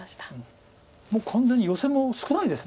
もう完全にヨセも少ないです。